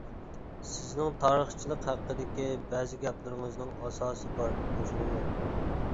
سىزنىڭ تارىخچىلىق ھەققىدىكى بەزى گەپلىرىڭىزنىڭ ئاساسى بار، قوشۇلىمەن.